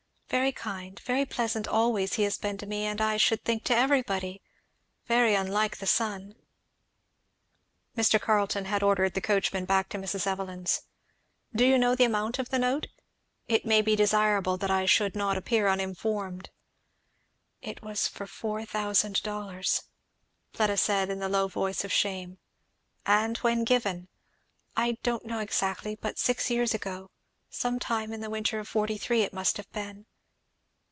"Very kind very pleasant, always, he has been to me, and I should think to everybody, very unlike the son" Mr. Carleton had ordered the coachman back to Mrs. Evelyn's. "Do you know the amount of the note? It may be desirable that I should not appear uninformed." "It was for four thousand dollars" Fleda said in the low voice of shame. "And when given?" "I don't know exactly but six years ago some time in the winter of '43, it must have been."